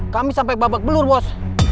kami sampai babak belur bos